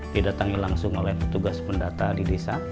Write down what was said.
didatangi langsung oleh petugas pendata di desa